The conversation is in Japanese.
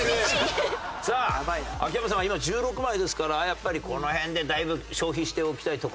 さあ秋山さんは今１６枚ですからやっぱりこの辺でだいぶ消費しておきたいところでは。